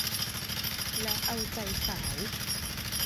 และเอาใจสาว